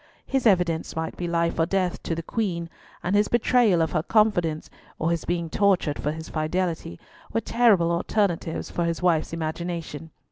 His evidence might be life or death to the Queen, and his betrayal of her confidence, or his being tortured for his fidelity, were terrible alternatives for his wife's imagination.